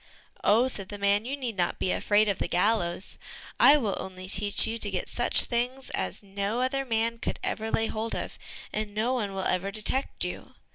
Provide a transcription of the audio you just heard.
"Oh," said the man, "you need not be afraid of the gallows; I will only teach you to get such things as no other man could ever lay hold of, and no one will ever detect you."